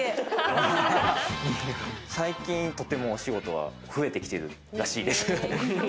最近とてもお仕事が増えてきているらしいです。